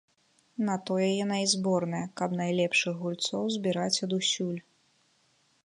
На тое яна і зборная, каб найлепшых гульцоў збіраць адусюль.